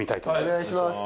お願いします。